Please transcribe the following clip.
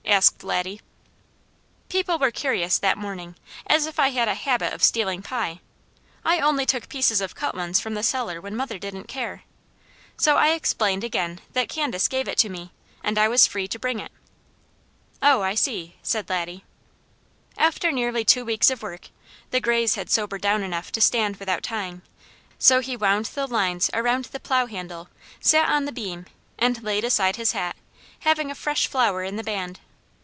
asked Laddie. People were curious that morning, as if I had a habit of stealing pie. I only took pieces of cut ones from the cellar when mother didn't care. So I explained again that Candace gave it to me, and I was free to bring it. "Oh I see!" said Laddie. After nearly two weeks of work, the grays had sobered down enough to stand without tying; so he wound the lines around the plow handle, sat on the beam, and laid aside his hat, having a fresh flower in the band.